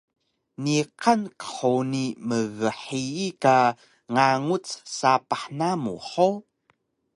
Niqan qhuni mghiyi ka nganguc sapah namu hug?